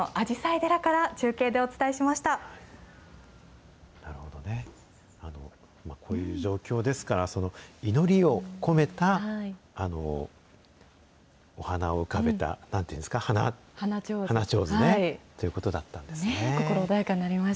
寺から中継でお伝なるほどね、こういう状況ですから、祈りを込めたお花を浮かべた、なんていうんですか、花ちょうずね。ということだったんですね。